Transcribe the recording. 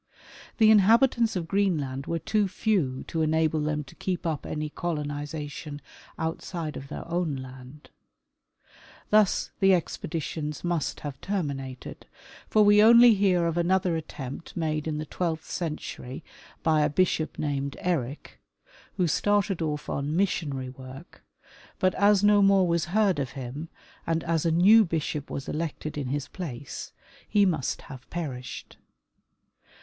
The inhabitants of Greenland were too few to enable them to keep up any colonization outside of their own land. Thus the expeditions must have terminated, for we only hear of another attempt made in the twelfth century by a bishop named Eric, who started off on missionary work, Finding of the ViJcing Ship. 135 but as no more was heard of him and as a new bishop was elected in his place, he must have perished.